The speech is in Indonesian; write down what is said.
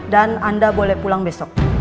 dan anda boleh pulang besok